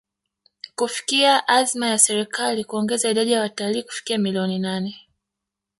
kufikia azma ya Serikali kuongeza idadi ya watalii kufikia milioni nane